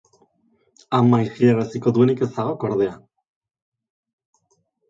Ama isilaraziko duenik ez zagok, ordea.